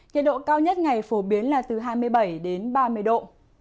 nhiệt độ cao nhất ngày phổ biến là từ hai mươi bảy đến ba mươi độ